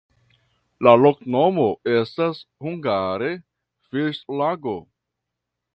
La loknomo estas hungare: fiŝlago.